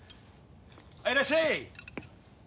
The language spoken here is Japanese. いらっしゃい！